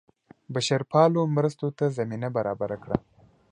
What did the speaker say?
بشرپالو مرستو ته زمینه برابره کړه.